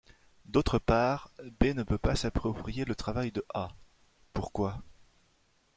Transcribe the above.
D’autre part, B ne peut pas s’approprier le travail de A. Pourquoi ?